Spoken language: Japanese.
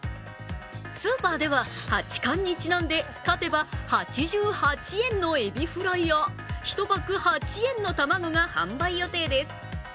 スーパーでは八冠にちなんで勝てば８８円のエビフライや１パック８円の卵が販売予定です。